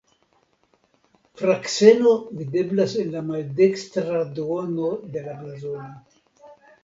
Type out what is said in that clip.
Frakseno videblas en la maldekstra duono de la blazono.